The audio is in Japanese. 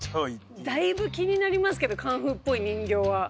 だいぶ気になりますけどカンフーっぽい人形は。